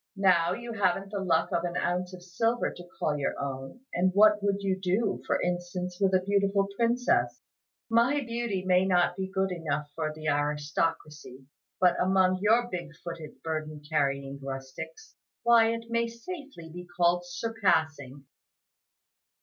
Now you haven't the luck of an ounce of silver to call your own; and what would you do, for instance, with a beautiful princess? My beauty may not be good enough for the aristocracy; but among your big footed, burden carrying rustics, why it may safely be called 'surpassing.